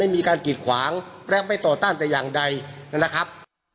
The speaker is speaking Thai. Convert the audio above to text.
มีการกีดขวางและไม่ต่อต้านแต่อย่างใดนะครับ